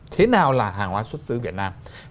thế nào là hàng hóa xuất xứ việt nam